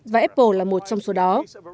và apple là một trong số đó